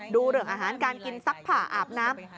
ดูเรื่องอาหารการกินซักผ้าอาบน้ำ